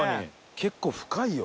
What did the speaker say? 結構深いよ。